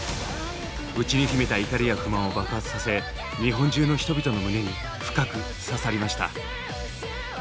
内に秘めた怒りや不満を爆発させ日本中の人々の胸に深く刺さりました。